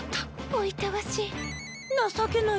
おいたわしい。